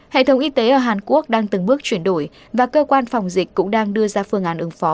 hệ thống y tế ở hàn quốc đang từng bước chuyển đổi và cơ quan phòng dịch cũng đang đưa ra phương án ứng phó